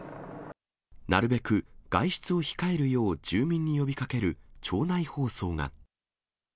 なるべく外出を控えるよう住民に呼びかける町内放送が。